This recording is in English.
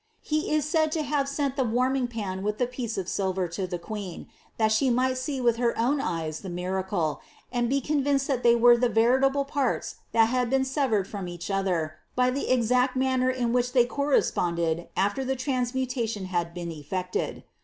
He is said to faavi sent the wanning pan with the piece of silver lo the queen, that ibe might see with her own eyes ihe miracle, and be convinced that thef were the veritable parts that had been severed from each other, by the exact manner in which they corresponded after the transmutation ba^ been eftcted.